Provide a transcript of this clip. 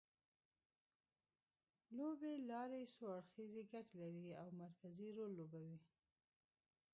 لوېې لارې څو اړخیزې ګټې لري او مرکزي رول لوبوي